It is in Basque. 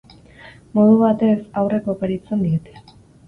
Modu batez, haurrek oparitzen diete.